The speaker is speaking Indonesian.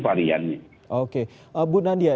variannya oke bu nandia